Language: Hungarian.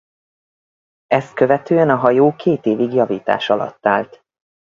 Ezt követően a hajó két évig javítás alatt állt.